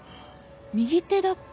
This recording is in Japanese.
右手だっけ？